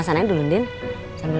sayang heartkommen ya mbak